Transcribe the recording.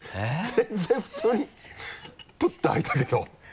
全然普通にプッて開いたけど。